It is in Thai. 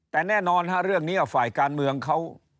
แต่แน่นอนฮะเรื่องนี้ฝ่ายการเมืองเขา